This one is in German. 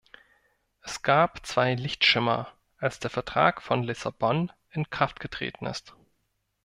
Es gab zwei Lichtschimmer, als der Vertrag von Lissabon in Kraft getreten ist.